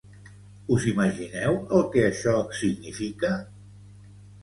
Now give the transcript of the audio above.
Us imagineu el que això significa?